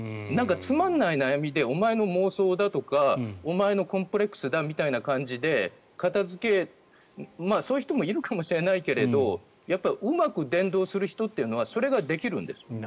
つまんない悩みでお前の妄想だとかお前のコンプレックスだみたいな感じで片付け、そういう人もいるかもしれないけれどうまく伝道する人というのはそれができるんです。